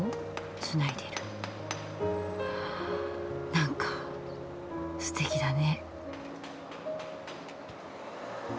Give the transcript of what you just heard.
なんかすてきだね。